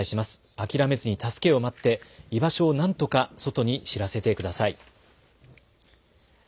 諦めずに助けを待って居場所をなんとか外に知らせてください。